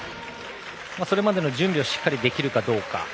それまでの準備をしっかりできるかどうか。